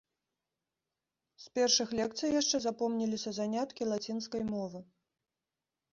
З першых лекцый яшчэ запомніліся заняткі лацінскай мовы.